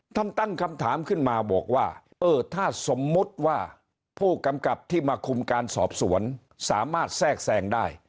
ท่านตั้งคำถามขึ้นมาบอกว่าเออถ้าสมมุติว่าผู้กำกับที่มาคุมการสอบสวนสามารถแทรกแทรงได้